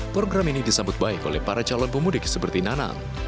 program ini disambut baik oleh para calon pemudik seperti nanang